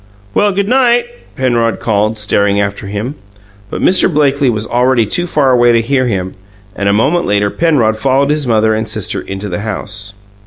"Well, good night," Penrod called, staring after him. But Mr. Blakely was already too far away to hear him, and a moment later Penrod followed his mother and sister into the house.